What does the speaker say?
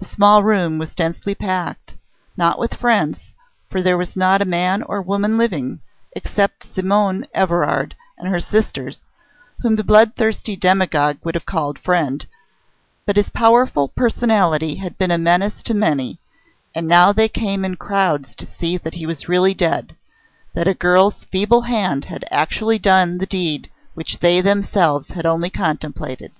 The small room was densely packed not with friends, for there was not a man or woman living, except Simonne Evrard and her sisters, whom the bloodthirsty demagogue would have called "friend"; but his powerful personality had been a menace to many, and now they came in crowds to see that he was really dead, that a girl's feeble hand had actually done the deed which they themselves had only contemplated.